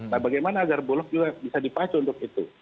nah bagaimana agar bulog juga bisa dipacu untuk itu